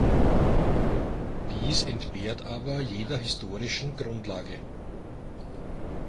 Dies entbehrt aber jeder historischen Grundlage.